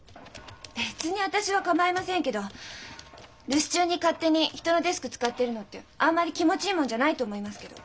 留守中に勝手に人のデスク使ってるのってあんまり気持ちいいもんじゃないと思いますけど。